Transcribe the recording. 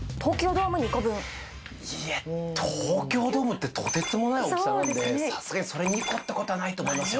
いや東京ドームってとてつもない大きさなんでさすがにそれ２個ってことはないと思いますよ。